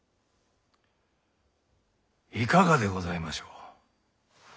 いかがでございましょう？